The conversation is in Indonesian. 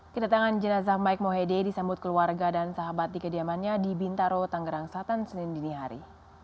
kedatangan jenazah mike mohede disambut keluarga dan sahabat di kediamannya di bintaro tanggerang selatan senin dinihari